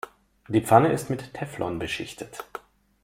Die Pfanne ist mit Teflon beschichtet.